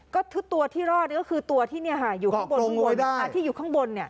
ก็คือตัวที่รอดก็คือตัวที่อยู่ข้างบนที่อยู่ข้างบน